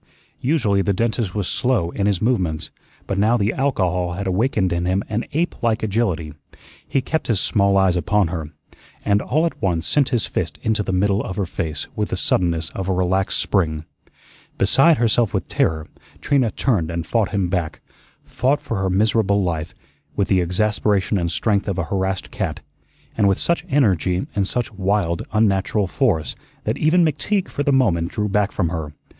Usually the dentist was slow in his movements, but now the alcohol had awakened in him an ape like agility. He kept his small eyes upon her, and all at once sent his fist into the middle of her face with the suddenness of a relaxed spring. Beside herself with terror, Trina turned and fought him back; fought for her miserable life with the exasperation and strength of a harassed cat; and with such energy and such wild, unnatural force, that even McTeague for the moment drew back from her.